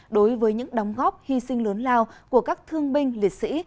đối với những đóng góp hy sinh lớn lao của các thương binh liệt sĩ